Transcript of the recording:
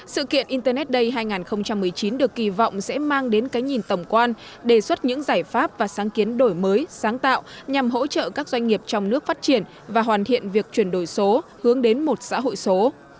sự kiện internet day hai nghìn một mươi chín được kỳ vọng sẽ mang đến cái nhìn tổng quan đề xuất những giải pháp và sáng kiến đổi mới sáng tạo nhằm hỗ trợ các doanh nghiệp trong nước phát triển và hoàn thiện việc chuyển đổi số hướng đến một xã hội số